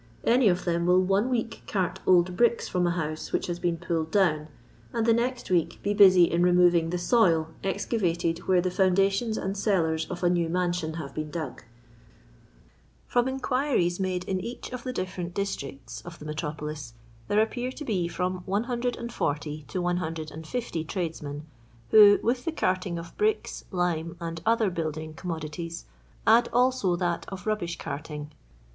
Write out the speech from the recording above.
Any of them will one week cart old bricks from a house which has been pulled down, and the next week be busy in re moving the soil excavated where the foundations and celburs of a new mansion have been dug. Prom inquiries made in each of the diffisrent districts of the metropolis, there appear to bo from 140 to 150 tradesmen who, with the carting of bricks, lime, and other bnilding commo dities, add also that of mbbish corting.